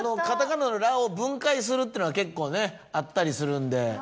カタカナのラを分解するってのが結構ねあったりするんで。